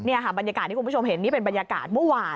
นี่ค่ะบรรยากาศที่คุณผู้ชมเห็นนี่เป็นบรรยากาศเมื่อวาน